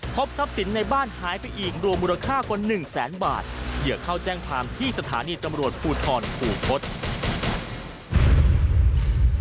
ทรัพย์สินในบ้านหายไปอีกรวมมูลค่ากว่าหนึ่งแสนบาทเหยื่อเข้าแจ้งความที่สถานีตำรวจภูทรคูคศ